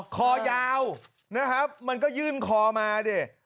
คอยาวนะครับมันก็ยื่นคอมาดิ